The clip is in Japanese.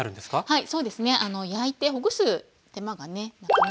はい。